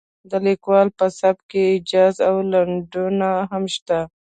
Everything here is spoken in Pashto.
د لیکوال په سبک کې ایجاز او لنډون هم شته.